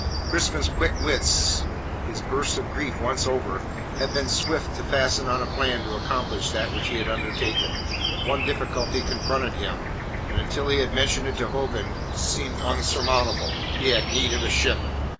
Crispin's quick wits his burst of grief once over had been swift to fasten on a plan to accomplish that which he had undertaken. One difficulty confronted him, and until he had mentioned it to Hogan seemed unsurmountable he had need of a ship.